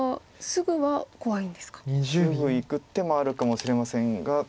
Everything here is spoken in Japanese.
すぐいく手もあるかもしれませんが。